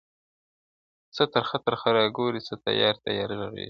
څه ترخه ترخه راګورې څه تیاره تیاره ږغېږې,